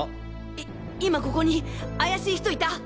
い今ここに怪しい人いた？